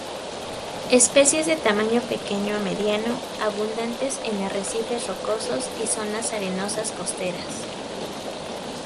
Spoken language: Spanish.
Especies de tamaño pequeño a mediano, abundantes en arrecifes rocosos y zonas arenosas costeras.